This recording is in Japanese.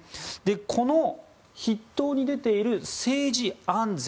この筆頭に出ている政治安全。